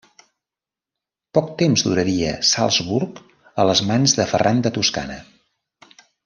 Poc temps duraria Salzburg a les mans de Ferran de Toscana.